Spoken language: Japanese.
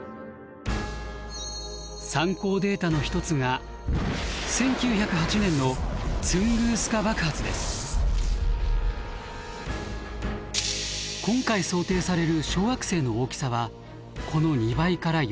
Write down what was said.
参考データの一つが今回想定される小惑星の大きさはこの２倍から４倍。